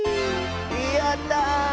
やった！